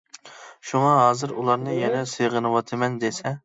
شۇڭا ھازىر ئۇلارنى يەنە سېغىنىۋاتىمەن دېسە.